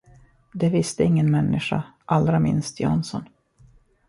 Det visste ingen människa, allra minst Jansson.